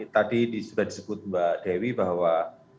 tadi sudah disebut mbak dewi bahwa